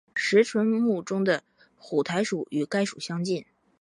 石莼目中的浒苔属与该属相近。